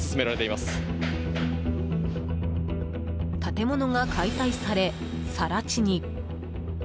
建物が解体され、更地に。